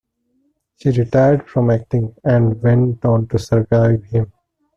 She retired from acting, and went on to survive him.